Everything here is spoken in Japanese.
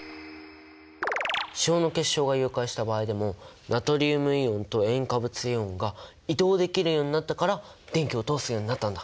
塩の結晶が融解した場合でもナトリウムイオンと塩化物イオンが移動できるようになったから電気を通すようになったんだ。